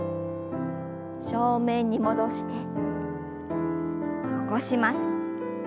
正面に戻して起こします。